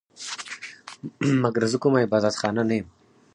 مګر زه کومه عبادت خانه نه یم